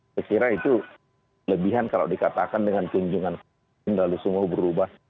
kira kira itu lebihan kalau dikatakan dengan kunjungan presiden lalu semua berubah